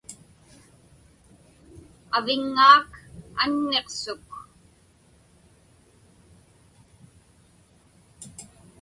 Aviŋŋaak anniqsuk.